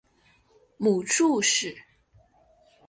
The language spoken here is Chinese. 母祝氏。